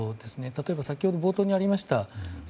例えば先ほど、冒頭にありました